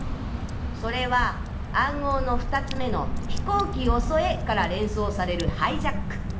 それは暗号の２つ目の「飛行機襲え」から連想されるハイジャック。